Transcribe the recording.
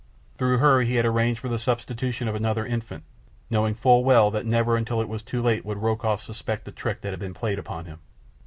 Through her he had arranged for the substitution of another infant, knowing full well that never until it was too late would Rokoff suspect the trick that had been played upon him.